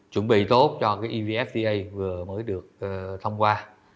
chuẩn bị tốt cho cái evfta vừa mới được thông qua